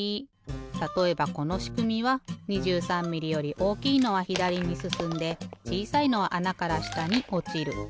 たとえばこのしくみは２３ミリより大きいのはひだりにすすんでちいさいのはあなからしたにおちる。